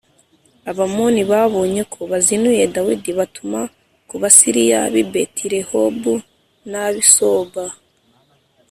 Abamoni babonye ko bazinuye Dawidi batuma ku Basiriya b’i Betirehobu n’ab’i Soba